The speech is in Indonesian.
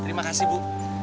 terima kasih bu